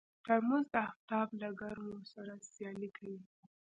ترموز د افتاب له ګرمو سره سیالي کوي.